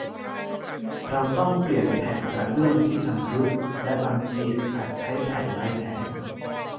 เราต้องเปลี่ยนแผ่นกระเบื้องที่ชำรุด และบางทีอาจใช้แผ่นไม้แทน